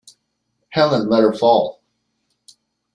Helene let her fall.